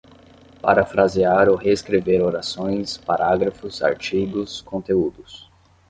Parafrasear ou reescrever orações, parágrafos, artigos, conteúdos